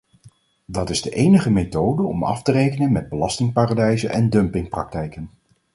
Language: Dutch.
Dat is de enige methode om af te rekenen met belastingparadijzen en dumpingpraktijken.